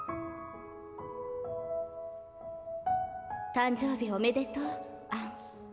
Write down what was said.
誕生日おめでとう、アン。